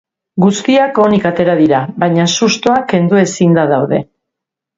Guztiak onik atera dira, baina sustoa kendu ezinda daude.